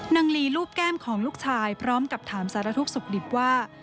ลีรูปแก้มของลูกชายพร้อมกับถามสารทุกข์สุขดิบว่า